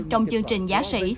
trong chương trình giá sỉ